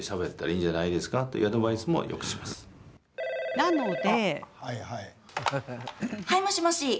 なので。